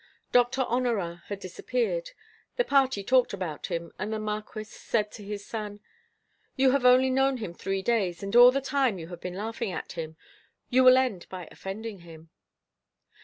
Doctor Honorat had disappeared. The party talked about him, and the Marquis said to his son: "You have only known him three days, and all the time you have been laughing at him. You will end by offending him."